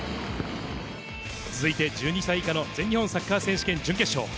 続いて１２歳以下の全日本サッカー選手権準決勝。